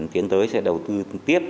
tiến tới sẽ đầu tư tiếp